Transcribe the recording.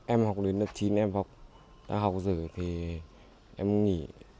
em học đến lớp chín em học đã học dự thì em nghỉ